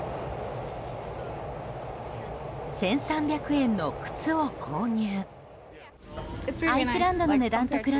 １３００円の靴を購入。